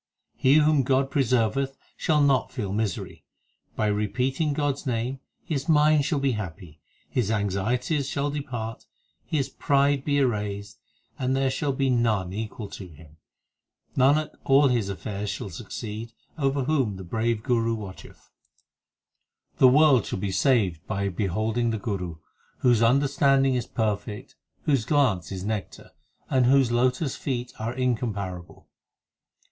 He whom God preserveth shall not feel misery ; By repeating God s name his mind shall be happy, His anxieties shall depart, his pride be erased, And there shall be none equal to him Nanak, all his affairs shall succeed Over whom the brave l Guru watcheth. 8 The world shall be saved by beholding the Guru, Whose understanding is perfect, whose glance is nectar, And whose lotus feet are incomparable.